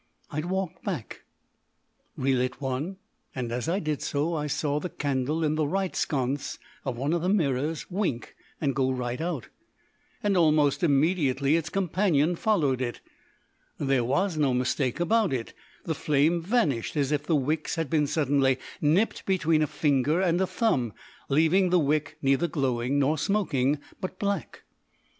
I walked back, relit one, and as I did so, I saw the candle in the right sconce of one of the mirrors wink and go right out, and almost immediately its companion followed it. There was no mistake about it. The flame vanished, as if the wicks had been suddenly nipped between a finger and a thumb, leaving the wick neither glowing nor smoking, but black.